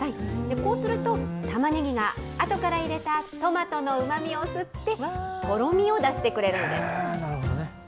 こうすると、タマネギがあとから入れたトマトのうまみを吸って、とろみを出してくれるんです。